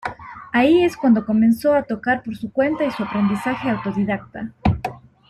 Ahí es cuando comenzó a tocar por su cuenta y su aprendizaje autodidacta.